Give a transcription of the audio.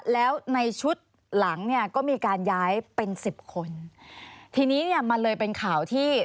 แล้วในชุดหลังเนี่ยก็มีการย้ายเป็นสิบคนทีนี้เนี่ยมันเลยเป็นข่าวที่